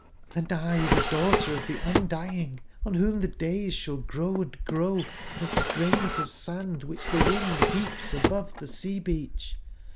Hnd 1 the daughter of the Undying, on whom the days shall grow and grow asthegrainsof sand which the wind heaps up above the sea/beach.